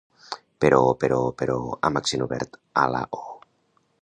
Però, però, però, amb accent obert a la o